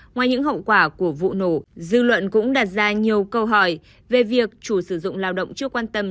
ngoài những hậu quả của vụ nổ dư luận cũng đặt ra nhiều câu hỏi về việc chủ sử dụng lao động chưa quan tâm